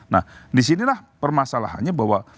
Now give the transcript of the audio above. nah disinilah permasalahannya bahwa